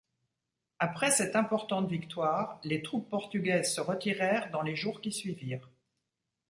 Après cette importante victoire, les troupes portugaises se retirèrent dans les jours qui suivirent.